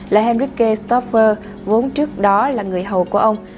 là henrique stauffer vốn trước đó là người hầu của ông